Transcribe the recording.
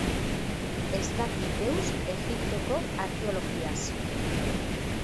Ez daki deus Egiptoko arkeologiaz.